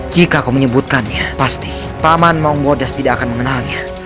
jika kau menyebutkannya pasti paman maung bodes tidak akan mengenalnya